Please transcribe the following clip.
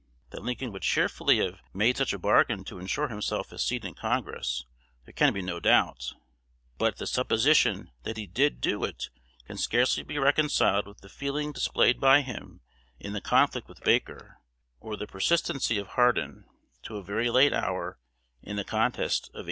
That Lincoln would cheerfully have made such a bargain to insure himself a seat in Congress, there can be no doubt; but the supposition that he did do it can scarcely be reconciled with the feeling displayed by him in the conflict with Baker, or the persistency of Hardin, to a very late hour, in the contest of 1846.